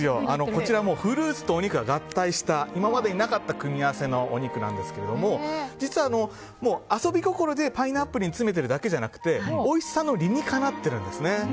こちらフルーツとお肉が合体した今までになかった組み合わせのお肉なんですけれども実は遊び心でパイナップルに詰めているだけじゃなくておいしさの理にかなってるんです。